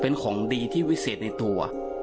เป็นของดีที่วิเศษในตัว